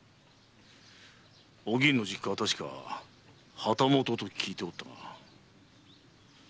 お吟の実家は確か旗本と聞いておったが。